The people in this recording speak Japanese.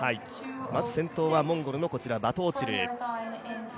まず先頭はモンゴルのバトオチル。